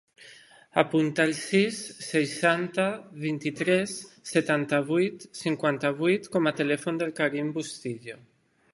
Apunta el sis, seixanta, vint-i-tres, setanta-vuit, cinquanta-vuit com a telèfon del Karim Bustillo.